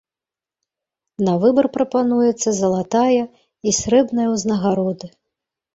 На выбар прапануецца залатая і срэбная ўзнагароды.